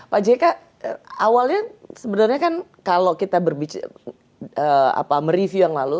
pak jk awalnya sebenarnya kan kalau kita mereview yang lalu